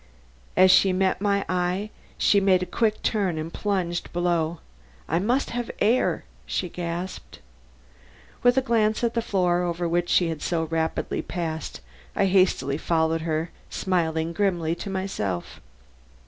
As she met my eye she made a quick turn and plunged below. "I must have air," she gasped. With a glance at the floor over which she had so rapidly passed, I hastily followed her, smiling grimly to myself.